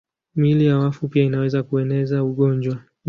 Miili ya wafu pia inaweza kueneza ugonjwa.